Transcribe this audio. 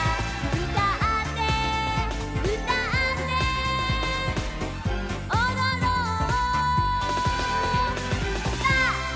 「うたってうたっておどろんぱ！」